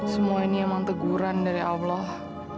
semua ini emang teguran dari allah